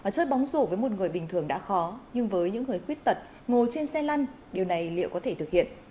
chơi bóng rổ với một người bình thường đã khó nhưng với những người khuyết tật ngồi trên xe lăn điều này liệu có thể thực hiện